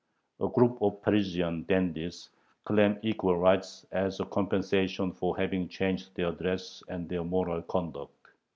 A group of Parisian "dandies" claim equal rights as a compensation for having changed their dress and their "moral conduct."